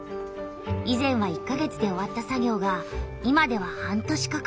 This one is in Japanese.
以前は１か月で終わった作業が今では半年かかる。